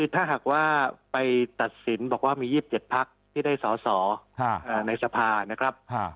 ถ้าหากว่าไปตัดสินบอกว่ามี๒๗พักที่ได้สอสอในสภานะครับ